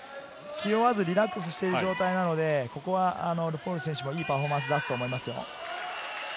気負わず、リラックスしている状態なので、ルフォール選手もいいパフォーマンスを出すと思いますよ。